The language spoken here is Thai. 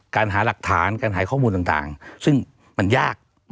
หาหลักฐานการหาข้อมูลต่างซึ่งมันยาก